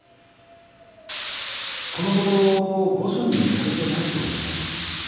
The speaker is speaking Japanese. このところ御所に行かれてないそうですね。